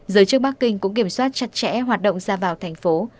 giới chức bắc kinh cũng kiểm soát chặt chẽ hoạt động ra vào thành phố